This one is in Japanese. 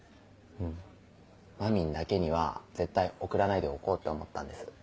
まみんだけには絶対送らないでおこうって思ったんです。